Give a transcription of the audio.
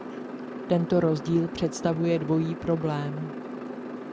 Tento rozdíl představuje dvojí problém.